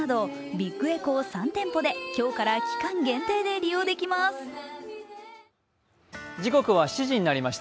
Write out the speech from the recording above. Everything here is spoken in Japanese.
東京・渋谷などビックエコー３店舗で今日から期間限定で利用できます。